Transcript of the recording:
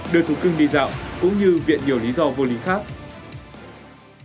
đưa thủ cưng đi dạo cũng như viện nhiều lý do vô lính khác